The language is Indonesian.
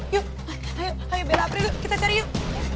ayo bella april yuk kita cari yuk